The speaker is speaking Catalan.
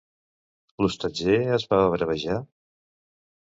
L'hostatger es va bravejar?